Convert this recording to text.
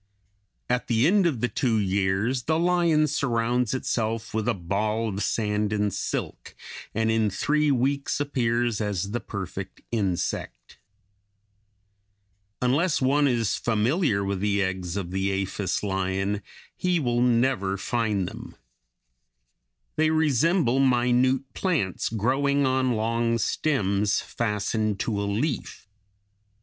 At the end of the two years the lion surrounds itself with a ball of sand and silk, and in three weeks appears as the perfect insect. [Illustration: FIG. 188. Perfect form of ant lion.] Unless one is familiar with the eggs of the aphis lion (Fig. 189) he will never find them. They resemble minute plants growing on long stems, fastened to a leaf.